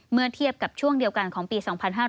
เมื่อเทียบกับช่วงเดียวกันของปี๒๕๕๙